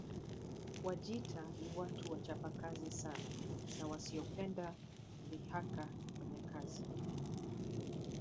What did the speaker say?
Wajita ni watu wachapakazi sana na wasiopenda dhihaka kwenye kazi